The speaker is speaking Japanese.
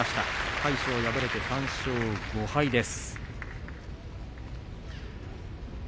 魁勝、敗れて３勝５敗です。